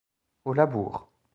Au labour.